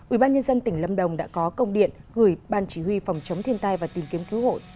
ủy ban nhân dân tỉnh lâm đồng đã có công điện gửi ban chỉ huy phòng chống thiên tai và tìm kiếm cứu hội